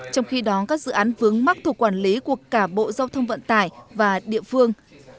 trong khi đó các dự án vướng mắc thuộc quản lý của cả bộ giao thông vận tải và địa phương